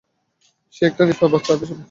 সে একটা নিষ্পাপ বাচ্চা আকাশের প্রান কেড়ে নেয়।